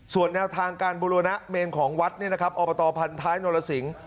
ส่วนแนวทางการบริวณะเมนของวัดเนี่ยนะครับอพันท้ายนรสิงห์